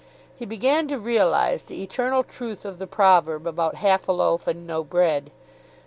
He began to realise the eternal truth of the proverb about half a loaf and no bread.